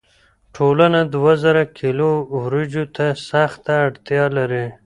ټولنه دوه زره کیلو وریجو ته سخته اړتیا لري.